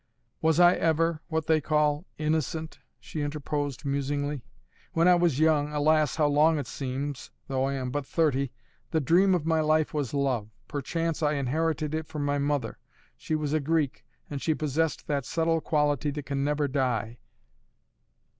"Was I ever what they call innocent?" she interposed musingly. "When I was young alas, how long it seems, though I am but thirty the dream of my life was love! Perchance I inherited it from my mother. She was a Greek, and she possessed that subtle quality that can never die.